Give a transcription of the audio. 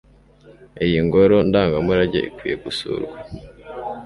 Iyi ngoro ndangamurage ikwiye gusurwa